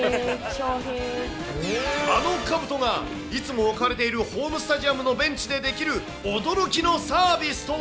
翔へぇ、あのかぶとがいつも置かれているホームスタジアムのベンチで驚きのサービスとは。